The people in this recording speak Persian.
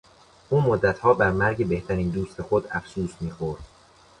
او مدتها بر مرگ بهترین دوست خود افسوس میخورد.